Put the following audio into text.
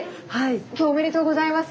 今日おめでとうございます。